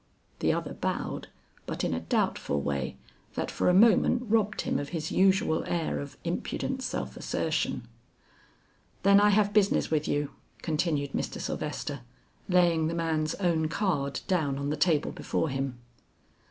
The other bowed, but in a doubtful way that for a moment robbed him of his usual air of impudent self assertion. "Then I have business with you," continued Mr. Sylvester, laying the man's own card down on the table before him.